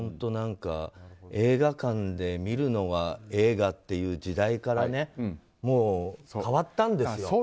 映画館で見るのが映画という時代からもう変わったんですよ。